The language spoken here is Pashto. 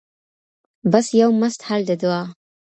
بس یو مست حل د دعا